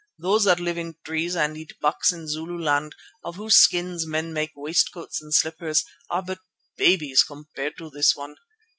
Those that live in trees and eat bucks in Zululand, of whose skins men make waistcoats and slippers, are but babies compared to this one.